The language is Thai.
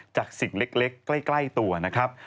สิ่งเล็กใกล้ตัวนะครับ